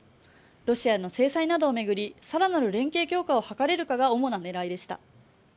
ロシアの制裁などを巡り、更なる連携強化を図れるかが主な狙いでした。